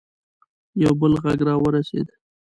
یو بل غږ راورسېد.